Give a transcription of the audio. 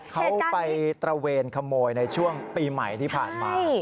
เขาไปตระเวนขโมยในช่วงปีใหม่ที่ผ่านมา